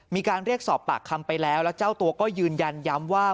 มีการเรียกสอบปากคำไปแล้วแล้วเจ้าตัวก็ยืนยันย้ำว่า